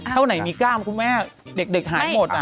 ถ้าวันไหนมีกล้ามคุณแม่เด็กหายหมดอะ